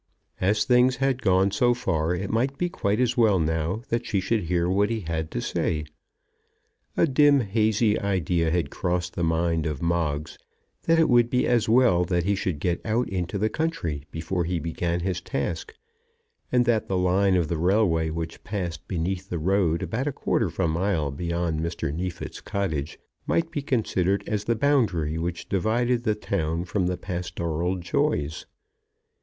As things had gone so far it might be quite as well now that she should hear what he had to say. A dim, hazy idea had crossed the mind of Moggs that it would be as well that he should get out into the country before he began his task, and that the line of the railway which passed beneath the road about a quarter of a mile beyond Mr. Neefit's cottage, might be considered as the boundary which divided the town from pastoral joys.